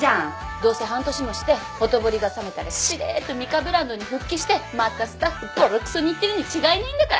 どうせ半年もしてほとぼりが冷めたらしれーっとＭＩＫＡブランドに復帰してまたスタッフぼろくそに言ってるに違いないんだから。